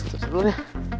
situ dulu ya